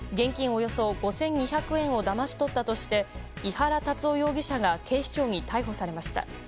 およそ５２００円をだまし取ったとして井原龍夫容疑者が警視庁に逮捕されました。